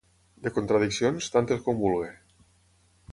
De contradiccions, tantes com vulgui.